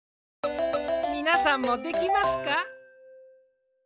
みなさんもできますか？